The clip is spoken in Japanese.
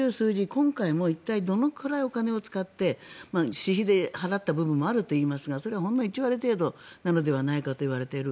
今回も、一体どのくらいのお金を使って私費で払った部分もあるといいますがそれはほんの１割程度なのではないかといわれている。